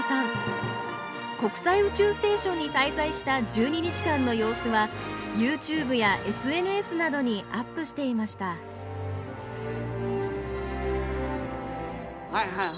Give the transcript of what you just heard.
国際宇宙ステーションに滞在した１２日間の様子はＹｏｕＴｕｂｅやＳＮＳなどにアップしていましたはい！